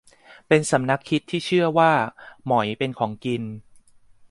เป็นสำนักคิดที่เชื่อว่า หมอยเป็นของกิน